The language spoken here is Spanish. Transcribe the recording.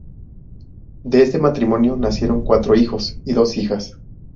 De este matrimonio nacieron cuatro hijos y dos hijas.